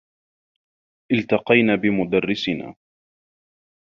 التقينا بمدرّسنا.